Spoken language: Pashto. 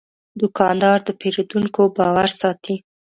دوکاندار د پیرودونکو باور ساتي.